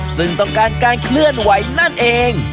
ซึ่งต้องการการเคลื่อนไหวนั่นเอง